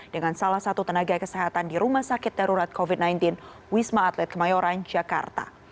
dengan salah satu tenaga kesehatan di rumah sakit darurat covid sembilan belas wisma atlet kemayoran jakarta